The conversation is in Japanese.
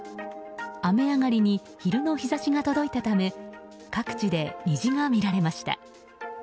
雨上がりに昼の日差しが届いたため各地で虹が見られました。